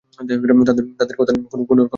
তাঁদের কথা নিয়ে কোনোরকম– শ্রীশ।